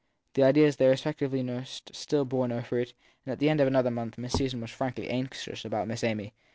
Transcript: The ideas they respectively nursed still bore no fruit, and at the end of another month Miss Susan was frankly anxious about Miss Amy.